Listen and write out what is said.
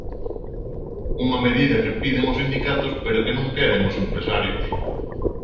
Unha medida que piden os sindicatos pero que non queren os empresarios.